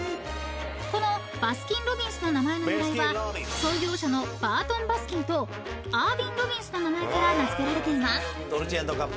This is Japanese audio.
［このバスキン・ロビンスの名前の由来は創業者のバートン・バスキンとアーヴィン・ロビンスの名前から名付けられています］